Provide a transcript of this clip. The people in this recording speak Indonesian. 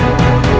saya tuh dankar